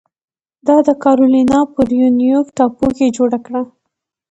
دا د کارولینا په ریونویک ټاپو کې جوړه کړه.